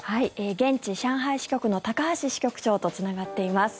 現地、上海支局の高橋支局長とつながっています。